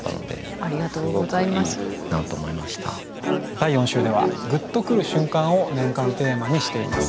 第４週では「グッとくる瞬間」を年間テーマにしています。